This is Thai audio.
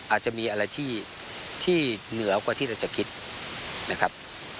อาจจะมีอะไรที่เหนือกว่าที่เราจะคิดนะครับ